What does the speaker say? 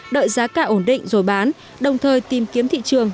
đợi giá cả ổn định rồi bán đồng thời tìm kiếm thị trường